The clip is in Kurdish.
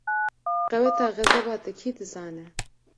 Qeweta xezeba te kî dizane?